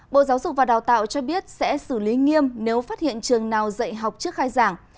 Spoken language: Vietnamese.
bộ giáo dục và đào tạo cho biết sẽ xử lý nghiêm nếu phát hiện trường nào dạy học trước khai giảng